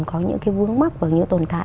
có những vướng mắt và những tồn tại